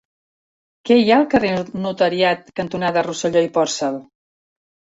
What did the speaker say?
Què hi ha al carrer Notariat cantonada Rosselló i Porcel?